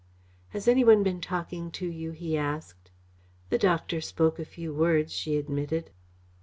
"Has any one been talking to you?" he asked. "The doctor spoke a few words," she admitted.